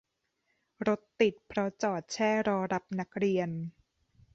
รถติดเพราะจอดแช่รอรับนักเรียน